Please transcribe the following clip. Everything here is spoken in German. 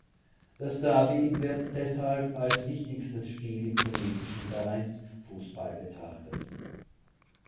Das Derby wird deshalb als wichtigstes Spiel im tunesischen Vereinsfußball betrachtet.